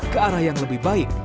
ke arah yang lebih baik